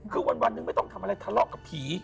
คือวันหนึ่งไม่ต้องทำอะไรทะเลาะกับผี